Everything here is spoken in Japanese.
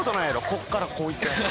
こっからこういくやつ。